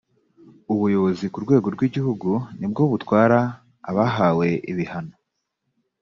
ubuyobozi ku rwego rw’igihugu nibwo butwara abahawe ibihano